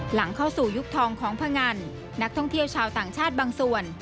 หลังเข้าสู่ยุคทองของพงันนักท่องเที่ยวชาวต่างชาติบางส่วน